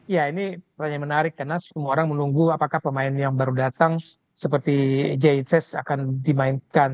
ya ini pertanyaan menarik karena semua orang menunggu apakah pemain yang baru datang seperti jas akan dimainkan